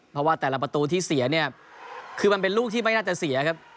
เพราะว่าแต่ละประตูที่เสียเนี่ยคือมันเป็นลูกที่ไม่น่าจะเสียครับ